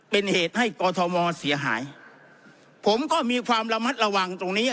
เป็นเหตุให้กอทมเสียหายผมก็มีความระมัดระวังตรงนี้